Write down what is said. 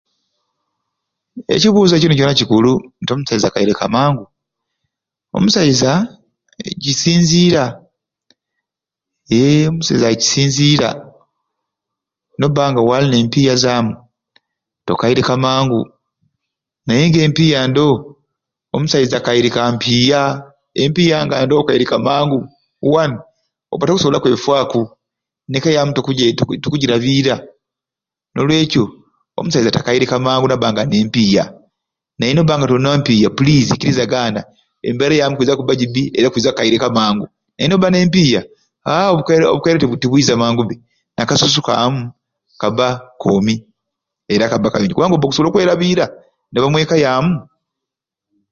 Ekibuzo kini kyona kikulu nti omusaiza akairika mangu, omusaiza kisinzira eeeh omusaiza kisinzira nobanga walina empiya zamu tokairika mangu nayenga empiya ndowo omusaiza akairika mpiya, empiya nga ndowo okairika mangu wanu oba tokusobola kwefaaku nekka yamu tokuje tokujilabira nolwekyo omusaiza takairika mangu nabanga alina empiya naye nobanga tolina mpiya pulizi ikiriza gana embeera yamu ekwiza kubba jibi era ekwiza kairika mangu naye noba nempiya aahh obukaire obukaire tibwiiza mangu'bbe nakasusu kamu kaba koomi era kaba kayonjo kubanga oba okusobola okwerabira nabamweka yamu.